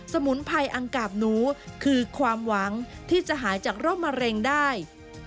มุนไพอังกาบหนูคือความหวังที่จะหายจากโรคมะเร็งได้